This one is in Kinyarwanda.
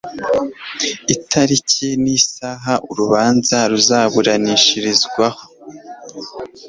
itariki n'isaha urubanza ruzaburanishirizwaho